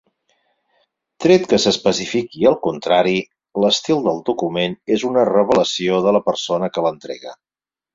Tret que s'especifiqui el contrari, l'estil del document és una "revelació" de la persona que l'entrega.